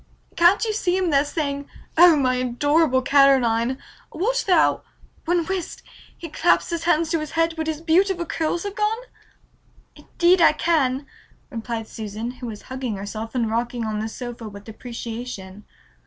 "Can't you see him there, saying, 'Oh, my adorable Caroline, wilt thou ' when whist! he claps his hands to his head, but his beautiful curls have gone?" "Indeed I can," replied Susan, who was hugging herself and rocking on the sofa with appreciation.